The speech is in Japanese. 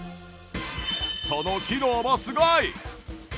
その機能もすごい！